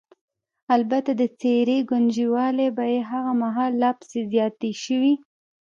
البته د څېرې ګونجوالې به یې هغه مهال لا پسې زیاتې شوې.